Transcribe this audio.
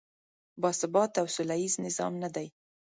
باثباته او سولیز نظام نه دی.